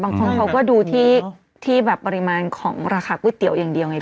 บางคนเขาก็ดูที่ปริมาณราคาก๋วยเตี๋ยวอย่างเดียวไงพี่